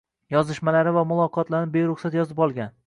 Yozishmalari va muloqotlarini beruxsat yozib olgan